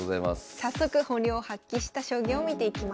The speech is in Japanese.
さあ早速本領発揮した将棋を見ていきましょう。